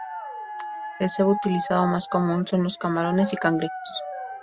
El cebo utilizado más común son los camarones y cangrejos.